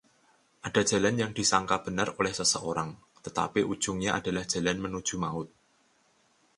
Ada jalan yang disangka benar oleh seseorang, tetapi ujungnya adalah jalan menuju maut.